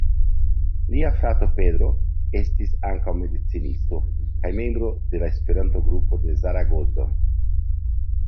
Lia frato Pedro estis ankaŭ medicinisto, kaj membro de la Esperanto-grupo de Zaragozo.